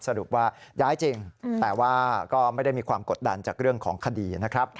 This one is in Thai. สรุปว่าย้ายจริงแต่ว่าก็ไม่ได้มีความกดดันจากเรื่องของคดีนะครับ